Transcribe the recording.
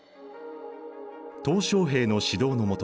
小平の指導の下